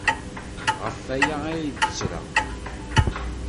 Ɣef waya ay d-ttreɣ!